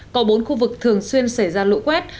có bốn khu vực thường xuyên xảy ra lũ quét